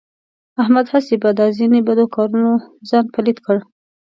احمد هسې په دا ځنې بدو کارونو ځان پلیت کړ.